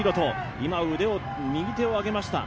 今、腕を右手を上げました。